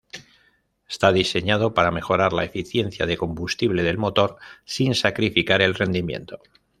Está diseñado para mejorar la eficiencia de combustible del motor sin sacrificar el rendimiento.